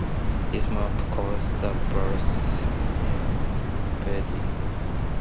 This map is called the Bers embedding.